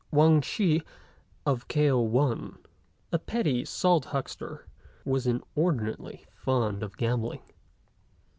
Wang Shih, of Kao wan, a petty salt huckster, was inordinately fond of gambling.